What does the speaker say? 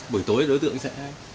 bữa tối đối tượng sẽ